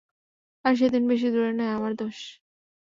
আর সেদিন বেশি দূরে নয় আমার দোস।